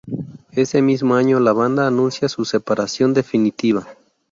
Ese mismo año la banda anuncia su separación definitiva.